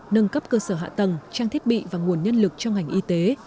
nâng cấp cơ sở hạ tầng trang thiết bị và nguồn nhân lực cho ngành y tế